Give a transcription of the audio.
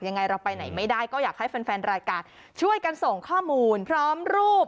ยังไงเราไปไหนไม่ได้ก็อยากให้แฟนแฟนรายการช่วยกันส่งข้อมูลพร้อมรูป